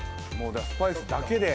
スパイスだけで。